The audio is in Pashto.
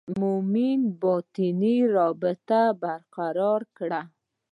مومنان باطني رابطه برقراره کړي.